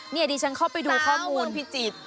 นี่อันนี้ฉันเข้าไปดูข้อมูลสาวเมืองพิจิตร